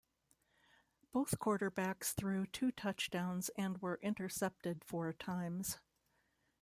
Both quarterbacks threw two touchdowns and were intercepted four times.